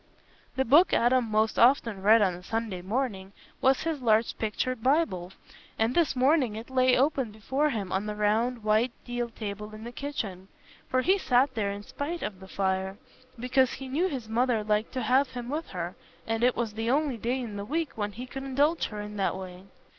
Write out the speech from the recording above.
The book Adam most often read on a Sunday morning was his large pictured Bible, and this morning it lay open before him on the round white deal table in the kitchen; for he sat there in spite of the fire, because he knew his mother liked to have him with her, and it was the only day in the week when he could indulge her in that way.